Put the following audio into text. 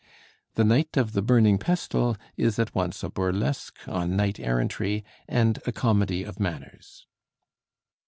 'The Knight of the Burning Pestle' is at once a burlesque on knight errantry and a comedy of manners.